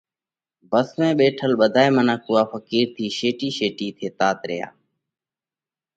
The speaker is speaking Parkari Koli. ڀس ۾ ٻيٺل منک اُوئا ڦقِير منک ٿِي شيٽِي شيٽِي ٿيتات ريا،